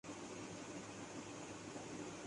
پاکستان کو بہترین fielding side بنانا ہدف ہے بریڈ برن